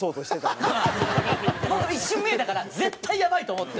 もうこれ一瞬見えたから絶対やばいと思って。